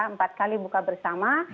empat kali buka bersama